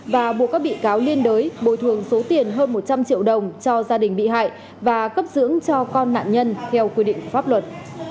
và buộc các bị cáo liên đới bồi thường số tiền hơn một trăm linh triệu đồng cho gia đình bị hại và cấp dưỡng cho con nạn nhân theo quy định pháp luật